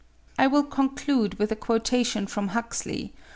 I will conclude with a quotation from Huxley (21.